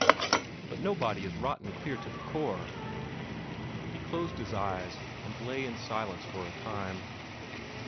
But nobody is rotten clear to the core." He closed his eyes, and lay in silence for a time.